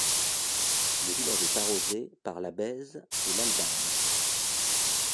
Le village est arrosé par la Bèze et l'Albane.